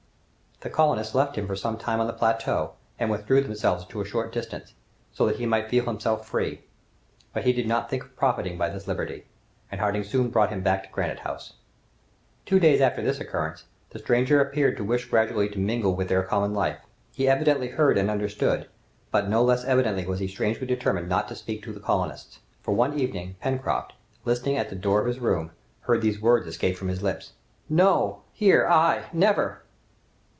The colonists left him for some time on the plateau, and withdrew themselves to a short distance, so that he might feel himself free; but he did not think of profiting by this liberty, and Harding soon brought him back to Granite House. Two days after this occurrence, the stranger appeared to wish gradually to mingle with their common life. He evidently heard and understood, but no less evidently was he strangely determined not to speak to the colonists; for one evening, Pencroft, listening at the door of his room, heard these words escape from his lips: "No! here! I! never!"